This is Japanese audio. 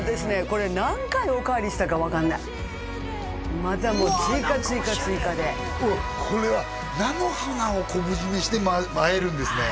これ何回おかわりしたか分かんないまたもう追加追加追加でおっこれは菜の花を昆布締めしてあえるんですね